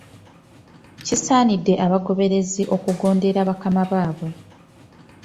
Kisaanidde abagoberezi okugondera bakama baabwe.